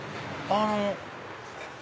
あの。